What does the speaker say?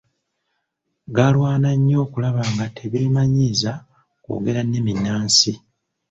Galwana nnyo okulaba nga tebeemanyiiza kwogera nnimi nnansi.